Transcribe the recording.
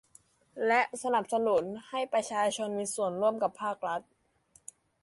และสนับสนุนให้ประชาชนมีส่วนร่วมกับภาครัฐ